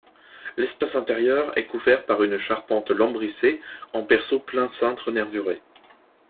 L'espace intérieur est couvert par une charpente lambrissée en berceau plein cintre nervuré.